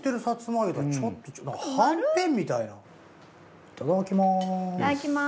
いただきます。